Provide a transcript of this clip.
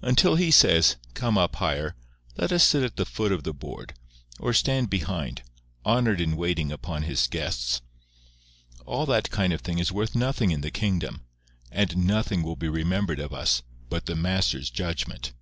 Until he says, "Come up higher," let us sit at the foot of the board, or stand behind, honoured in waiting upon His guests. All that kind of thing is worth nothing in the kingdom; and nothing will be remembered of us but the Master's judgment.